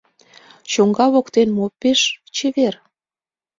- Чоҥга воктен мо пеш чевер?